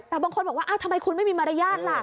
แต่บางคนบอกว่าทำไมคุณไม่มีมารยาทล่ะ